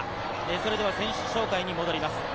それでは選手紹介に戻ります。